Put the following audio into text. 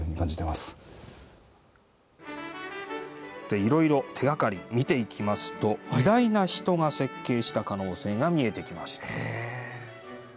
いろいろ手掛かりを見ていくと偉大な人が設計した可能性が見えてきました。